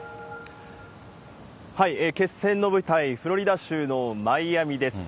決戦の舞台、フロリダ州のマイアミです。